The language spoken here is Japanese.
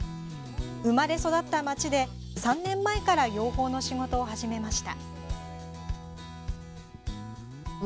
生まれ育った街で、３年前から養蜂の仕事を始めました。